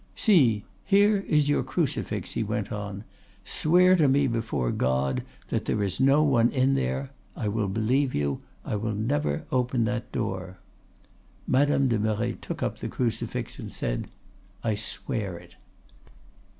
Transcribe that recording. —'See, here is your crucifix,' he went on. 'Swear to me before God that there is no one in there; I will believe you—I will never open that door.' "Madame de Merret took up the crucifix and said, 'I swear it.